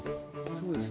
そうです。